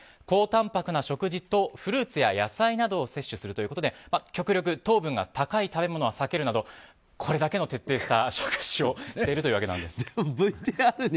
高タンパクな食事とフルーツや野菜などを摂取するということで極力、糖分が高い食べ物は避けるなどこれだけの徹底した食事をしているというわけです。